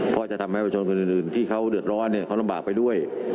เพราะจะทำให้ประชนคนอื่นที่เขาเดือดร้อนเขาลำบากไปด้วย